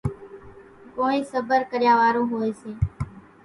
ڪونئين صڀر ڪريا وارون هوئيَ سي۔